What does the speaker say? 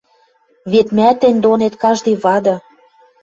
Вет мӓ тӹнь донет каждый вады